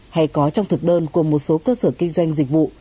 hay có trong thực đơn của một số cơ sở kinh doanh dịch vụ